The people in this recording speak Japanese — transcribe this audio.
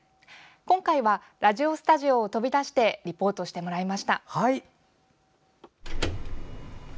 今回はラジオスタジオを飛び出してリポートしてもらいました。